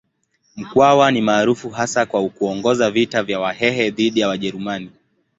Mkwawa ni maarufu hasa kwa kuongoza vita vya Wahehe dhidi ya Wajerumani.